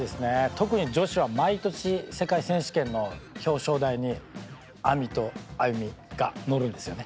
特に女子は毎年世界選手権の表彰台にＡＭＩとＡＹＵＭＩが乗るんですよね。